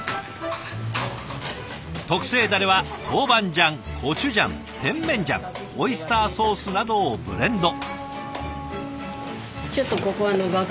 特製だれはトウバンジャンコチュジャンテンメンジャンオイスターソースなどをブレンド。